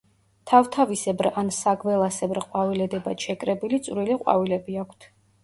თავთავისებრ ან საგველასებრ ყვავილედებად შეკრებილი წვრილი ყვავილები აქვთ.